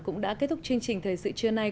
cũng đã kết thúc chương trình thời sự trưa nay